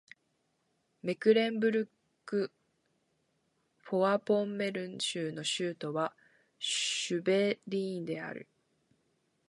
メクレンブルク＝フォアポンメルン州の州都はシュヴェリーンである